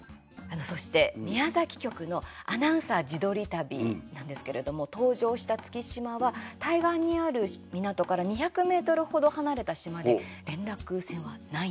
そして、宮崎局の「アナウンサー自撮り旅」なんですけれども登場した築島は対岸にある港から２００ｍ程離れた島で連絡船はないんですね。